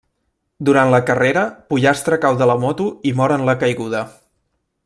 Durant la carrera, Pollastre cau de la moto i mor en la caiguda.